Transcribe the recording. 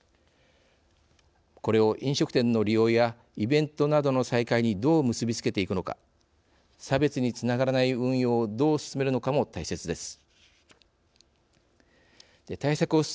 これを飲食店の利用やイベントなどの再開にどう結び付けていくのか差別につながらない運用をどう進めるのかも大切です。